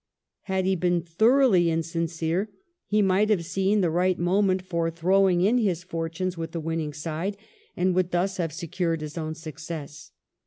Had he been thoroughly insincere he might have seen the right moment for throwing in his fortunes with the winning side, and would thus have secured his own success.